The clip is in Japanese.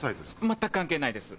全く関係ないです。